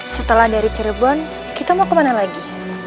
setelah dari cirebon kita mau kemana lagi